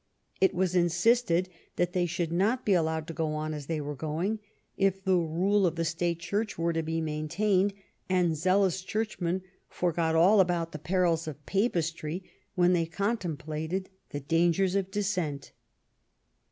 It was insisted that thev should not be allowed to go on as they were going, if the rule of the state Church were to be maintained, and zealous church men forgot all about the perils of Papistry when they contemplated the dangers of Dissent.